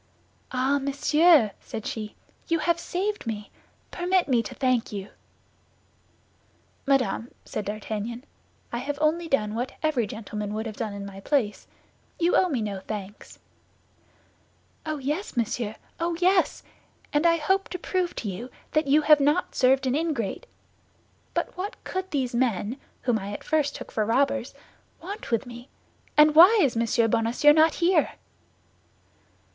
"Ah, monsieur!" said she, "you have saved me; permit me to thank you." "Madame," said D'Artagnan, "I have only done what every gentleman would have done in my place; you owe me no thanks." "Oh, yes, monsieur, oh, yes; and I hope to prove to you that you have not served an ingrate. But what could these men, whom I at first took for robbers, want with me, and why is Monsieur Bonacieux not here?"